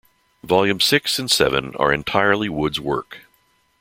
Volume Six and Seven are entirely Wood's work.